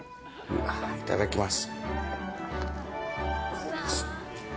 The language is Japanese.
いただきます。